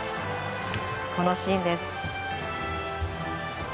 このシーンです。